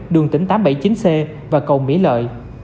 đường tỉnh tám trăm bảy mươi chín c và cầu mỹ lợi